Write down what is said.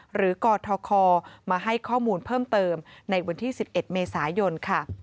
หรือกทคมาให้ข้อมูลเพิ่มเติมในวันที่๑๑เมษายนค่ะ